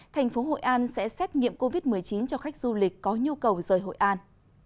thành phố hội an sẽ xét nghiệm covid một mươi chín cho khách du lịch có nhu cầu rời hội an